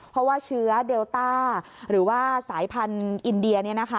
เพราะว่าเชื้อเดลต้าหรือว่าสายพันธุ์อินเดีย